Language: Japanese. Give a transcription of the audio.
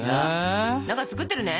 何か作ってるね？